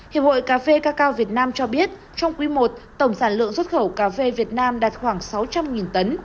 hiệp hội cà phê cà cao việt nam cho biết trong quý i tổng sản lượng xuất khẩu cà phê việt nam đạt khoảng sáu trăm linh tấn